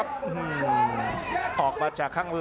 อัศวินาศาสตร์